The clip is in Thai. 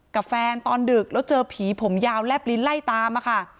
กับแฟนตอนดึกแล้วเจอผีผมยาวแลบลิ้นไล่ตามอะค่ะ